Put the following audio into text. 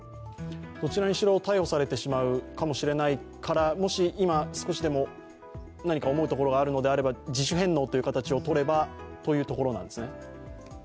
どちらにしろ逮捕されてしまうかもしれないからもし今、少しでも何か思うところがあるのであれば自主返納という形をとればというところなんですね？